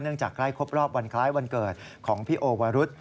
จากใกล้ครบรอบวันคล้ายวันเกิดของพี่โอวรุษ